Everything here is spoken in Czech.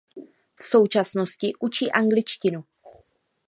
V současnosti učí angličtinu.